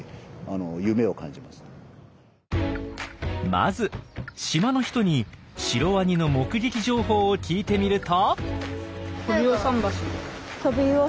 まず島の人にシロワニの目撃情報を聞いてみると。